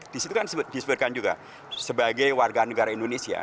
di situ kan disebutkan juga sebagai warga negara indonesia